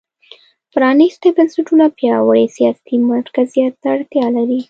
پرانېستي بنسټونه پیاوړي سیاسي مرکزیت ته اړتیا لري.